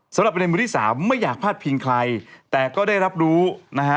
สำหรับประเด็นมือที่สามไม่อยากพลาดพิงใครแต่ก็ได้รับรู้นะฮะ